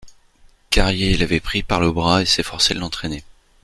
Carrier l'avait pris par le bras et s'efforçait de l'entraîner.